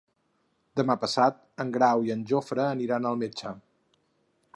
Demà passat en Grau i en Jofre aniran al metge.